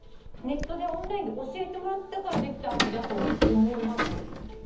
オンラインで教えてもらったからできた味だと思います